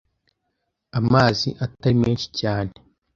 amazi Atari menshi cyane